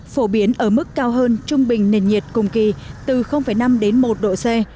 phổ biến ở mức cao hơn trung bình nền nhiệt cùng kỳ từ năm đến một độ c